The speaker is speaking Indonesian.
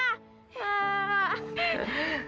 kamu harus sholat sekar